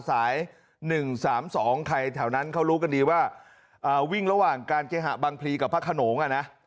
สาย๑๓๒ใครแถวนั้นเขารู้กันดีว่าวิ่งระหว่างการเคหะบางพลีกับพระขนงอ่ะนะ